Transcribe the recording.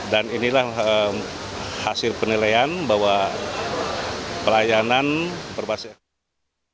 dan inilah hasil penilaian bahwa pelayanan berbasis elektronik